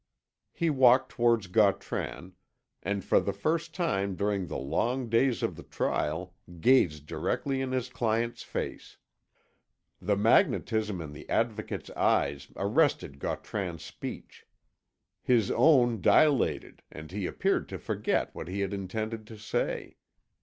He walked towards Gautran, and for the first time during the long days of the trial gazed directly in his client's face. The magnetism in the Advocate's eyes arrested Gautran's speech. His own dilated, and he appeared to forget what he had intended to say.